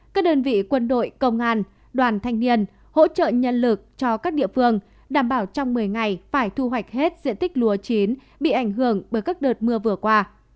các đơn vị quân đội công an đoàn thanh niên hỗ trợ nhân lực cho các địa phương đảm bảo trong một mươi ngày phải thu hoạch hết diện tích lúa chín bị ảnh hưởng bởi các đợt mưa vừa qua